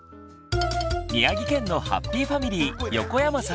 宮城県のハッピーファミリー横山さん。